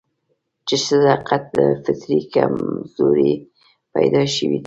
چې ښځه فطري کمزورې پيدا شوې ده